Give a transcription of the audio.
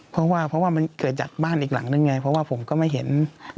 เพราะว่ามันเกิดจากบ้านอีกหลังหนึ่งไงผมก็ไม่เห็น